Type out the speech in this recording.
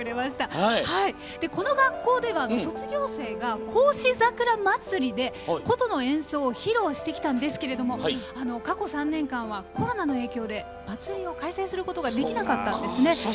この学校では卒業生が孝子桜まつりで、琴の演奏を披露してきたんですが過去３年間はコロナの影響で祭りを開催することができなかったんですね。